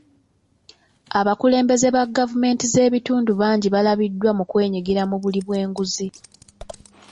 Abakulembeze ba gavumenti z'ebitundu bangi balabiddwa mu kwenyigira mu buli bw'enguzi